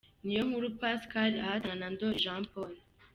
Niyonkuru Pascal ahatana na Ndoli Jean Paul.